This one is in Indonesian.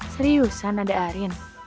seriusan ada arin